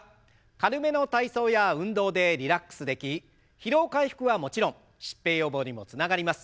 軽めの体操や運動でリラックスでき疲労回復はもちろん疾病予防にもつながります。